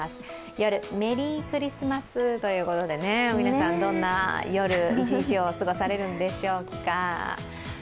夜、メリークリスマスということで皆さんどんな夜、一日を過ごされるんでしょうか。